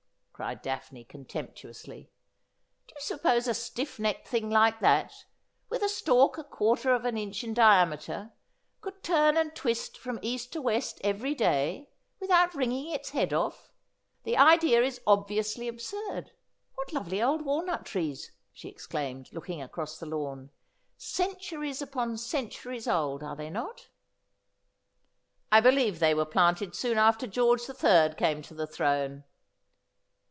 cried Daphne contemptuously. ' Do you suppose a stiff necked thing like that, with a stalk a quarter of an inch in diameter, could turn and twist from east to west every day, without wring ing its head off ? The idea is obviously absurd. What lovely old walnut trees !' she exclaimed, looking across the lawn. 'Cen turies upon centuries old, are they not ?'' I believe they were planted soon after George the Third came to the throne.'